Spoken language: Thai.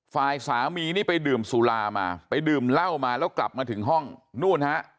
ฝ่ายสามีนี่ไปดื่มสุรามาไปดื่มเหล้ามาแล้วกลับมาถึงห้องนู่นฮะ